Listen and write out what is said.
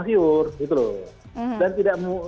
sepang siur gitu loh